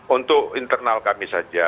untuk internal kami saja